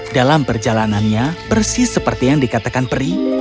dalam perjalanannya persis seperti yang dikatakan peri